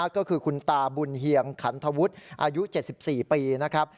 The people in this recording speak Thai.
ก็คือคุณตาบุญเฮียงขันทวุฒิอายุ๗๔ปีนะครับ